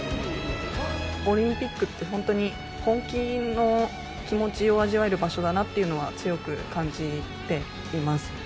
オリンピックって本当に本気の気持ちを味わえる場所だなというのを強く感じています。